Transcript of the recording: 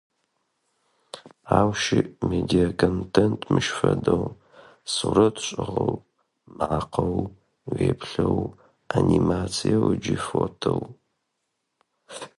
Ау щыӏ медиаконтент мыщ фэдэу: сурэт шӏыгъэу, макъэу, уеплъэу, анимациеу ыкӏи фотэу.